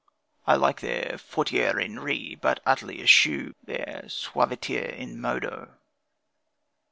I like their fortiter in re, but utterly eschew their suaviter in modo.